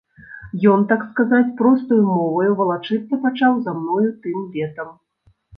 Ён, так сказаць, простаю моваю, валачыцца пачаў за мною тым летам.